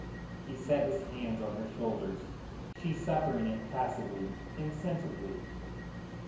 He set his hands on her shoulders, she suffering it passively, insensibly.